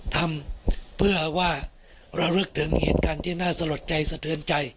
ทำเพื่อว่าระลึกถึงเหตุการณ์ที่น่าสลดใจสะเทือนใจ